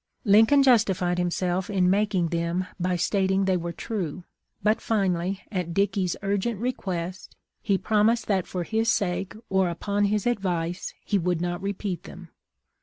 " Lincoln justified himself in making them by stat ing they were true ; but finally, at Dickey's urgent request, he promised that for his sake, or upon his advice, he would not repeat them.